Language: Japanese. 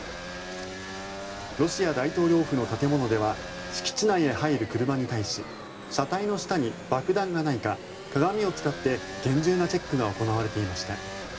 ロシア大統領府の建物では敷地内へ入る車に対し車体の下に爆弾がないか鏡を使って厳重なチェックが行われていました。